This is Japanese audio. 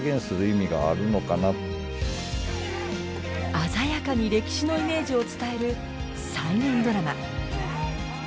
鮮やかに歴史のイメージを伝える再現ドラマ。